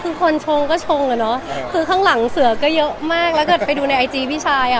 คือคนชงก็ชงอ่ะเนอะคือข้างหลังเสือก็เยอะมากแล้วเกิดไปดูในไอจีพี่ชายอ่ะ